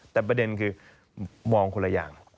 แต่ประเด็นคือมองคนละอย่าง